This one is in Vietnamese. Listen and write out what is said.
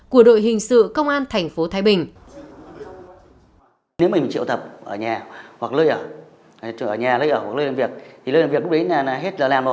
của đội hình sự công an thành phố thái bình